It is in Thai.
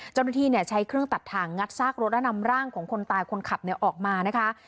เจ้าหน้าที่ใช้เครื่องตัดถ่างงัดซากรถและนำร่างของคนตายคนขับออกมานะคะ